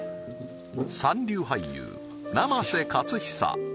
三流俳優生瀬勝久